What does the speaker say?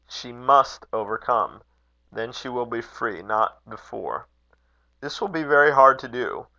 She must overcome. Then she will be free not before. This will be very hard to do.